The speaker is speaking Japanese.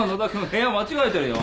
部屋間違えてるよ。